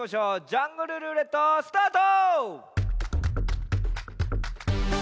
「ジャングルるーれっと」スタート！